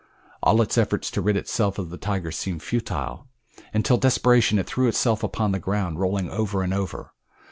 All its efforts to rid itself of the tiger seemed futile, until in desperation it threw itself upon the ground, rolling over and over.